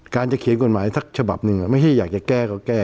การจะเขียนกฎหมายแทบกนึงไม่ใช่อยากแก้ก็แก้